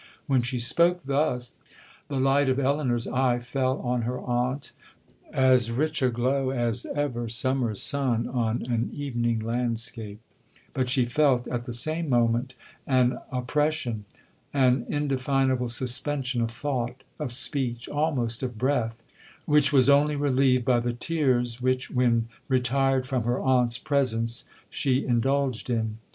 When she spoke thus, the light of Elinor's eye fell on her aunt with as rich a glow as ever summer sun on an evening landscape; but she felt, at the same moment, an oppression,—an indefinable suspension of thought, of speech, almost of breath, which was only relieved by the tears which, when retired from her aunt's presence, she indulged in.